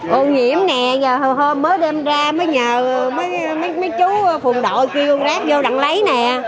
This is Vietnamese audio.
hôm nay mới đưa ra mới nhờ mấy chú phùng đội kêu rác vô đặng lấy nè